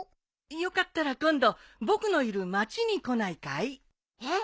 よかったら今度僕のいる町に来ないかい？えっ！？